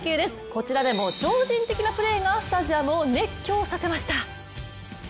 こちらでも超人的なプレーでスタジアムを熱狂させました。